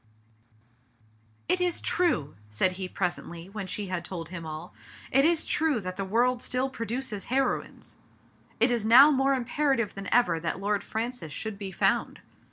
" It is true !" said he presently, when she had told him all. " It is true that the world still pro duces heroines. It is now more imperative than ever that Lord Francis should be found.